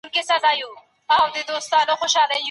ډاکټران د یوناني درملو په اړه څه وایي؟